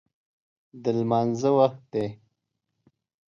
د لمانځه وخت دی